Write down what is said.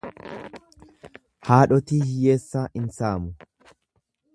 Haadhotii hiyyeessaa in saamu.